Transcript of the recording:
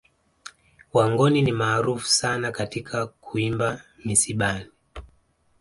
Wangoni ni maarufu sana katika kuimba misibani